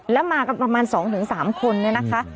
แล้วมากันประมาณ๒๓คนเนี่ยนะคะ